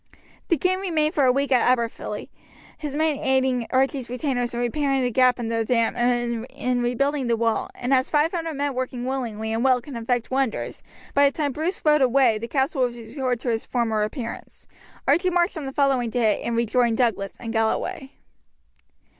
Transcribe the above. The king remained a week at Aberfilly, his men aiding Archie's retainers in repairing the gap in the dam and in rebuilding the wall; and as five hundred men working willingly and well can effect wonders, by the time Bruce rode away the castle was restored to its former appearance. Archie marched on the following day, and rejoined Douglas in Galloway.